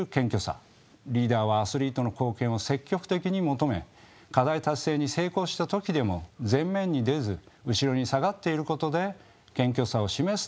リーダーはアスリートの貢献を積極的に求め課題達成に成功した時でも前面に出ず後ろに下がっていることで謙虚さを示す点です。